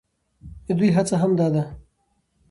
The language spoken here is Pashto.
د دوى هڅه هم دا ده،